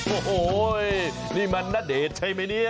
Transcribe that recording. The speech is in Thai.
โอ้โหนี่มันณเดชน์ใช่ไหมเนี่ย